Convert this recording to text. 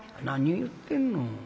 「何を言ってるの。